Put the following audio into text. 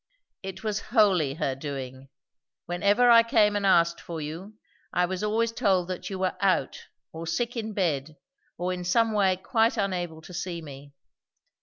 "It was wholly her doing. Whenever I came and asked for you, I was always told that you were out, or sick in bed, or in some way quite unable to see me.